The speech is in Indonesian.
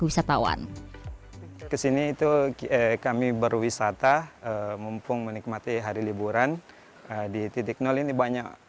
wisatawan kesini itu kami berwisata mumpung menikmati hari liburan di titik nol ini banyak